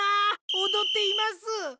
おどっています！